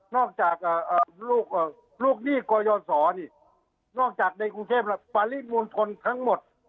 อกจากลูกหนี้กยศรนี่นอกจากในกรุงเทพปริมณฑลทั้งหมด